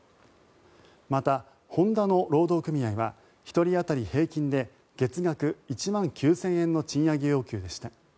また、ホンダの労働組合は１人当たり平均で月額１万９０００円の賃上げ要求でした。